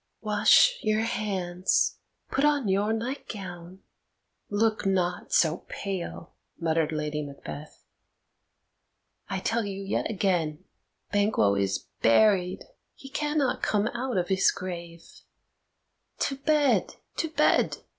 "Wash your hands; put on your nightgown, look not so pale!" muttered Lady Macbeth. "I tell you yet again, Banquo is buried; he cannot come out of his grave. To bed, to bed!